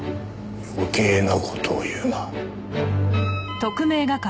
余計な事を言うな。